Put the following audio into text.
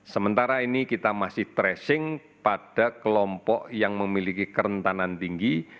sementara ini kita masih tracing pada kelompok yang memiliki kerentanan tinggi